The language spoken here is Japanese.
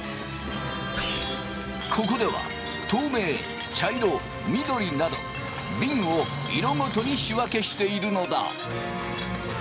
ここでは透明茶色緑などびんを色ごとに仕分けしているのだ。